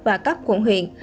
và các quận huyện